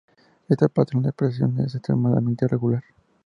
Este patrón de expresión es extremadamente regular.